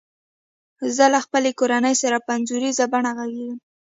زه له خپلي کورنۍ سره په انځوریزه بڼه غږیږم.